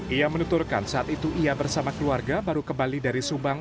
ia menuturkan saat itu ia bersama keluarga baru kembali dari subang